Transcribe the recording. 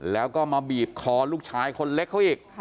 แล้วก็มาบีบคอลูกชายคนเล็กเขาอีก